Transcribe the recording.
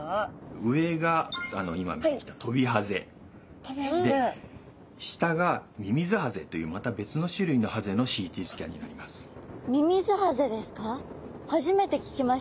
上が今見てきたトビハゼ下がミミズハゼというまた別の種類のハゼのＣＴスキャンになります。